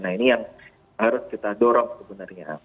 nah ini yang harus kita dorong sebenarnya